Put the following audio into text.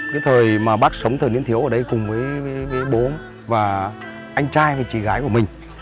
cái thời mà bác sống thời niên thiếu ở đây cùng với bố và anh trai với chị gái của mình